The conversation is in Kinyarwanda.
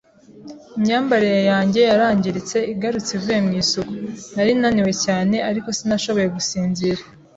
Imyambarire yanjye yarangiritse igarutse ivuye mu isuku. Nari naniwe cyane, ariko sinashoboye gusinzira.